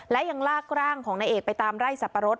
และยังลากร่างของนายเอกไปตามไร่สับปะรด